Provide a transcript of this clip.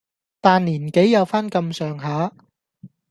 但年紀有返咁上下